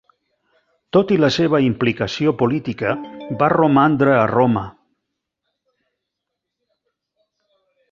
Tot i la seva implicació política va romandre a Roma.